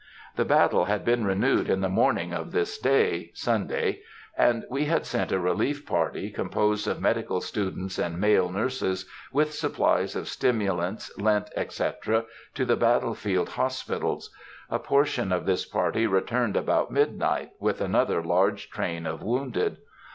The battle had been renewed in the morning of this day (Sunday), and we had sent a relief party, composed of medical students and male nurses, with supplies of stimulants, lint, etc., to the battle field hospitals. A portion of this party returned about midnight, with another large train of wounded.